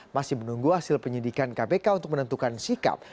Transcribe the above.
masih menunggu hasil penyidikan kpk untuk menentukan sikap